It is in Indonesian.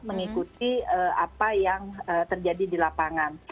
mengikuti apa yang terjadi di lapangan